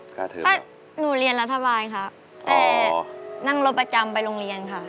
ถ้าหนูเรียนรัฐบาลค่ะแต่นั่งรถประจำไปโรงเรียนค่ะ